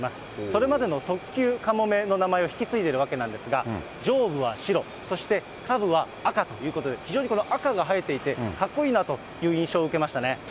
それまでの特急かもめの名前を引き継いでいるわけなんですが、上部は白、そして下部は赤ということで、非常にこの赤が映えていて、かっこいいなという印象を受けましたね。